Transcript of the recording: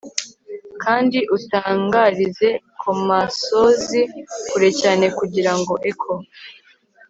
Kandi utangarize kumasozi kure cyane kugirango echo